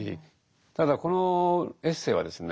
ただこのエッセイはですね